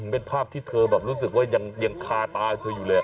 เป็นภาพที่เธอแบบรู้สึกว่ายังคาตาเธออยู่เลย